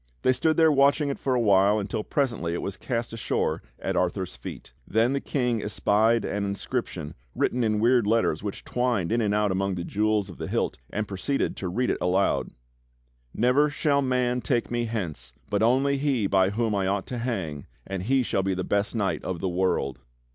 They stood there watching it for a while until presently it was cast ashore at Arthur's feet. Then the King espied an inscription written in weird letters which twined THE COMING OF GALAHAD 111 in and out among the jewels of the hilt, and proceeded to read it aloud : '"Never shall man take me hence, but only he by whom I OUGHT TO HANG, AND HE SHALL BE THE BEST KNIGHT OF THE WORLD.